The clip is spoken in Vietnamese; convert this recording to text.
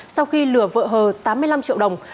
sau khi lửa vợ hờ tám mươi năm triệu đồng